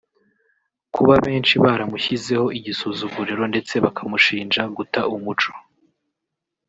Kuba benshi baramushyizeho igisuzuguriro ndetse bakamushinja guta umuco